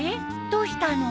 どうしたの？